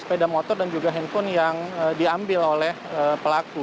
sepeda motor dan juga handphone yang diambil oleh pelaku